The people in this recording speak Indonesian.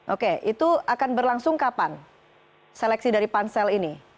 oke itu akan berlangsung kapan seleksi dari pansel ini